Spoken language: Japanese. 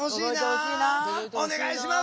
お願いします。